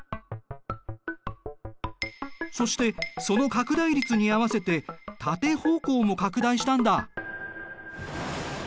そしてその拡大率に合わせて縦方向も拡大したんだ。